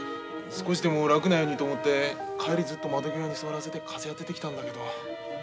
少しでも楽なようにと思って帰りずっと窓際に座らせて風当ててきたんだけど。